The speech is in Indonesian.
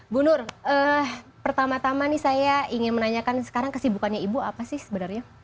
bu nur pertama tama nih saya ingin menanyakan sekarang kesibukannya ibu apa sih sebenarnya